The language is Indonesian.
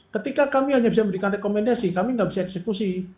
ketika kami hanya bisa memberikan rekomendasi kami nggak bisa eksekusi